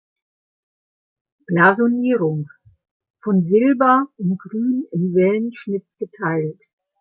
Blasonierung: „Von Silber und Grün im Wellenschnitt geteilt.